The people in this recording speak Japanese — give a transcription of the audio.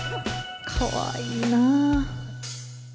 かわいいなぁ。